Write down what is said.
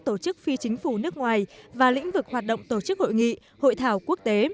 tổ chức phi chính phủ nước ngoài và lĩnh vực hoạt động tổ chức hội nghị hội thảo quốc tế